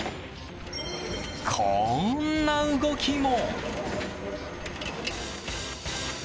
こんな動きも。